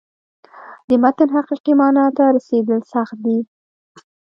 د متن حقیقي معنا ته رسېدل سخت دي.